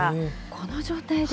この状態で？